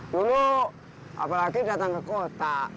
dulu apalagi datang ke kota